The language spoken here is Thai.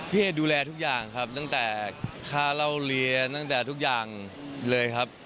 เอ๊ดูแลทุกอย่างครับตั้งแต่ค่าเล่าเรียนตั้งแต่ทุกอย่างเลยครับ